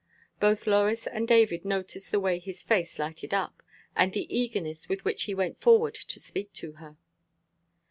Both Lois and David noticed the way his face lighted up, and the eagerness with which he went forward to speak to her.